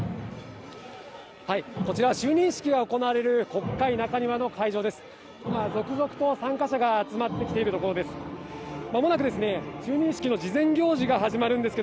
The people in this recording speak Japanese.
こちら就任式が行われる国会・中庭の会場です。